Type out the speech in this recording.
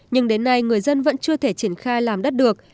nhưng đến nay người dân vẫn chưa thể triển khai làm đất được